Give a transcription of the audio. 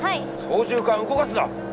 操縦かん動かすな！